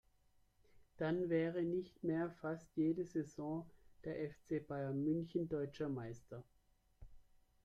Dann wäre nicht mehr fast jede Saison der FC Bayern München deutscher Meister.